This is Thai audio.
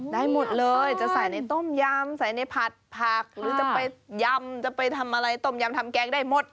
ได้หมดเลยจะใส่ในต้มยำใส่ในผัดผักหรือจะไปยำจะไปทำอะไรต้มยำทำแกงได้หมด